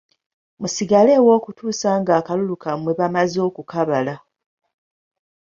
Musigaleewo okutuusa ng'akalulu kammwe bamaze okukabala.